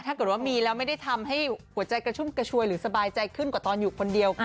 ถ้าเกิดว่ามีแล้วไม่ได้ทำให้หัวใจกระชุ่มกระชวยหรือสบายใจขึ้นกว่าตอนอยู่คนเดียว